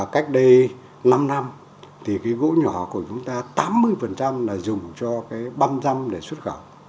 cách đây năm năm thì cái gỗ nhỏ của chúng ta tám mươi là dùng cho cái băm răm để xuất khẩu